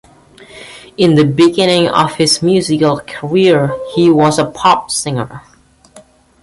In the beginning of his musical career, he was a pop singer.